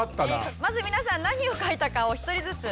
まず皆さん何を描いたかお一人ずつ。